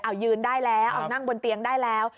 เอายืนได้แล้วเอานั่งบนเตียงได้แล้ว